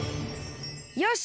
よし！